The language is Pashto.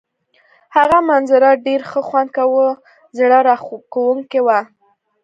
هغه منظره ډېر ښه خوند کاوه، زړه راښکونکې وه.